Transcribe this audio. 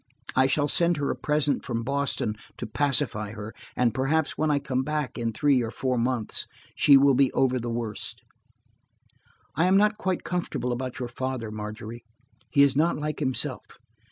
I shall send her a present from Boston to pacify her, and perhaps when I come back in three or four months, she will be over the worst. "I am not quite comfortable about your father, Margery. He is not like himself.